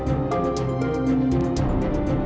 erak nasional sebagai alasan yang melakukan uang